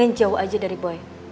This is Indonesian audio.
kamu ngejauh aja dari boy aja ya